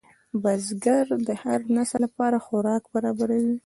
بزګر د هر نسل لپاره خوراک برابروي